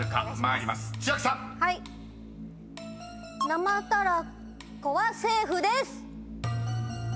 生たらこはセーフです。